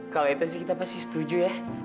kalau itu sih kita pasti setuju ya